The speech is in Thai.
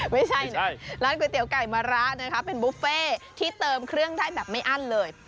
ไม่ใช่ร้านก๋วยเตี๋ยไก่มะระนะคะเป็นบุฟเฟ่ที่เติมเครื่องได้แบบไม่อั้นเลย